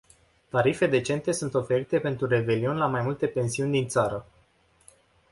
Tarife decente sunt oferite pentru revelion la mai multe pensiuni din țară.